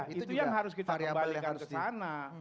itu yang harus kita kembalikan kesana